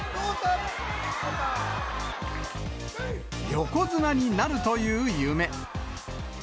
横綱になるという夢。